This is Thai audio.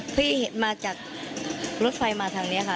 พี่เห็นมาจากรถไฟมาทางนี้ค่ะ